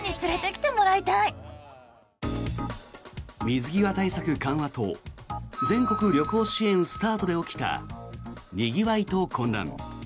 水際対策緩和と全国旅行支援スタートで起きたにぎわいと混乱。